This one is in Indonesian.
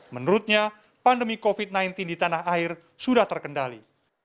menurutnya pandemi covid sembilan belas di tanah air sudah terkendali